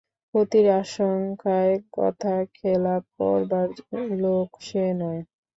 ক্ষতির আশঙ্কায় কথা খেলাপ করবার লোক সে নয়।